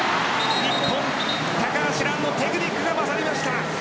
日本、高橋藍のテクニックが勝りました。